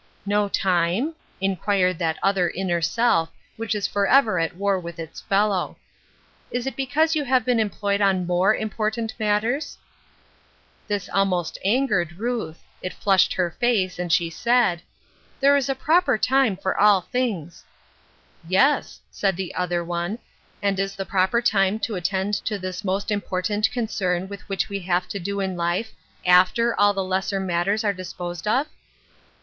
" No time ?" inquired that other inner self, which is forever at war with its fellow. " Is it be cause you have been employed on more important matters ?" This almost angered Ruth ; it flushed her face, and she said :" There is a proper time for all things." " Yes," said the other one, " and is the proper time to attend to this most important concern with which we have to do in life after all the les ser matters are disposed of